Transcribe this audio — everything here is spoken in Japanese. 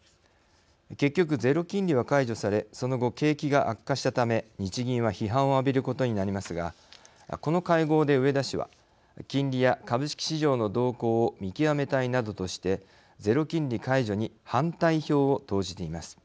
結局、ゼロ金利は解除されその後、景気が悪化したため日銀は批判を浴びることになりますがこの会合で植田氏は金利や株式市場の動向を見極めたいなどとしてゼロ金利解除に反対票を投じています。